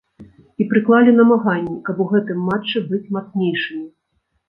І прыклалі намаганні, каб у гэтым матчы быць мацнейшымі.